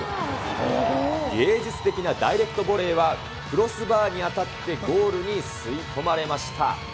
芸術的なダイレクトボレーは、クロスバーに当たって、ゴールに吸い込まれました。